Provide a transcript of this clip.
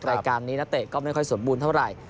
รายการนี้นักเตะก็ไม่ค่อยสมบูรณ์เท่าไหร่